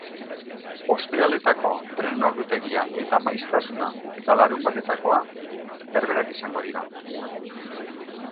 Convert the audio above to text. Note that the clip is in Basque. Ostiraletako trenen ordutegia eta maiztasuna eta larunbatetakoa berberak izango dira.